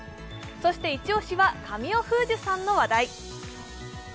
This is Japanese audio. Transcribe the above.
そしてイチ押しは神尾楓珠さんの話題。